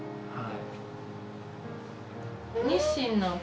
はい。